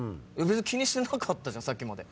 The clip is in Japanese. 気にしてなかったじゃんさっきまで。